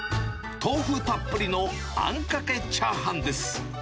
豆腐たっぷりのあんかけチャーハンです。